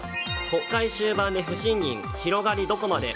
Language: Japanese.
国会終盤で不信任広がりどこまで。